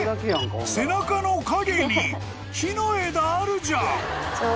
背中の陰に木の枝あるじゃん！］